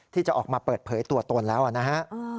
ที่จะออกมาเปิดเผยตัวตนแล้วนะฮะ